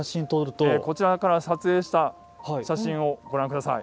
こちらから撮影した写真をご覧ください。